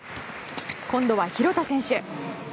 今度は廣田選手。